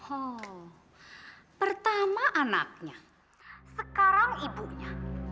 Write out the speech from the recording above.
oh pertama anaknya sekarang ibunya